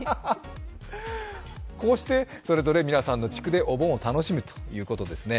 こうしてそれぞれ皆さんの地区でお盆を楽しむということですね。